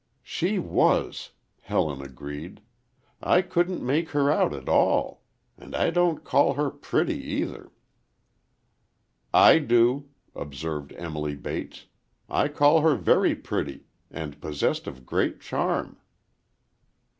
"She was!" Helen agreed. "I couldn't make her out at all. And I don't call her pretty, either." "I do," observed Emily Bates. "I call her very pretty,—and possessed of great charm."